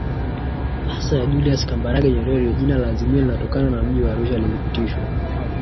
hasa ya Julius Kambarage NyerereJina la azimio linatokana na mji wa Arusha lilipitishwa